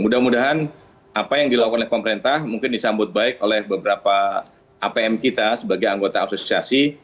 mudah mudahan apa yang dilakukan oleh pemerintah mungkin disambut baik oleh beberapa apm kita sebagai anggota asosiasi